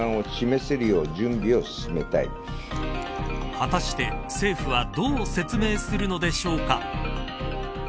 果たして、政府はどう説明するのでしょうか。